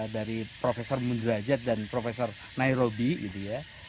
dari profesor mundurajat dan profesor nairobi